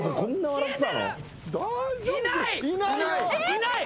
いない！